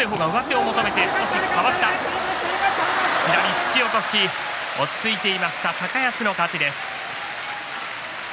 突き落とし落ち着いていました、高安の勝ち。